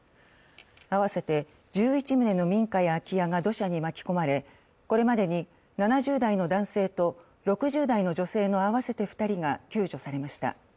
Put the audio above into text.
合わせて１１棟の民家や空き家が土砂に巻き込まれ、これまでに７０代の男性と６０代の女性の合わせて２人が救助されました。